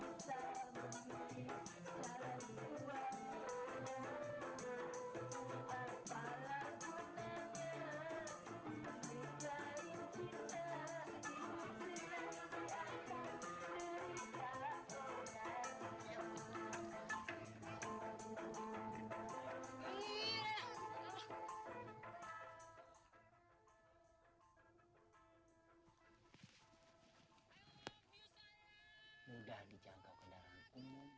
mudah dijangkau kendaraan umum